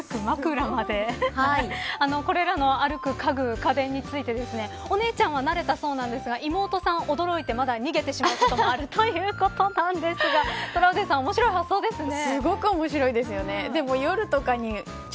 ドライヤーこれらの歩く家具家電についてお姉ちゃんは慣れたそうですが妹さんは驚いてまだ逃げてしまうこともあるということなんですがトラウデンさん面白そうですね。